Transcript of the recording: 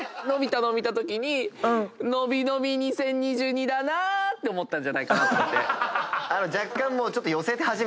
伸びたのを見たときに「のびのび２０２２だな！」って思ったんじゃないかなと思って。